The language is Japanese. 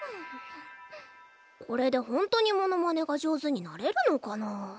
これでホントにモノマネが上手になれるのかな？